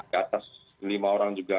ke atas lima orang juga